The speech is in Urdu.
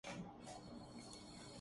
اس پر کوئی سمجھوتہ نہیں کیا جارہا